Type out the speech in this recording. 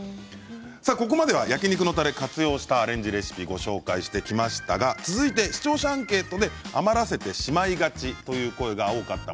ここまでは焼き肉のたれを活用したレシピをご紹介してきましたが続いて視聴者アンケートで余らせてしまいがちという声が多かった